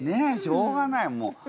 しょうがないもう！